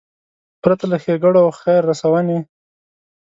پرته له ښېګړو او خیر رسونې.